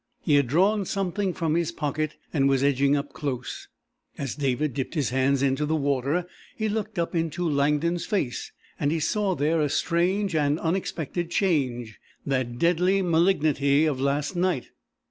He had drawn something from his pocket, and was edging up close. As David dipped his hands in the water he looked up into Langdon's face, and he saw there a strange and unexpected change that deadly malignity of last night.